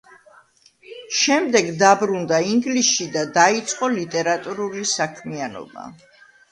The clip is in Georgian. შემდეგ დაბრუნდა ინგლისში და დაიწყო ლიტერატურული საქმიანობა.